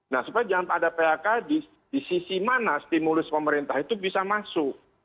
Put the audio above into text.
nah supaya jangan ada phk di sisi mana stimulus pemerintah itu bisa masuk